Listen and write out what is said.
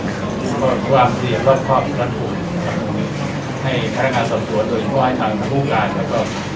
ความเสี่ยงรอดความรันภูมิให้พลังงานสรรควรโดยช่วงให้ทางผู้การแล้วก็